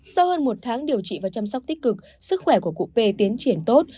sau hơn một tháng điều trị và chăm sóc tích cực sức khỏe của cụ p tiến triển tốt